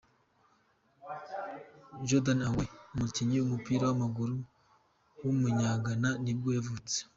Jordan Ayew, umukinnyi w’umupira w’amaguru w’umunya-Ghana nibwo yavutse.